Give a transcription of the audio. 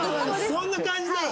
そんな感じだ。